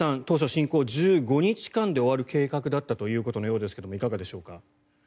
当初、侵攻１５日間で終わる計画だったということのようですがいかがでしょうか。